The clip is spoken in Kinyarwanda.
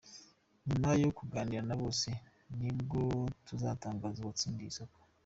Nyuma yo kuganira na bose nibwo tuzatangaza uwatsindiye isoko.